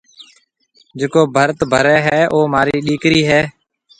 جڪو ڀرت ڀري هيَ او مهارِي ڏِيڪرِي هيَ۔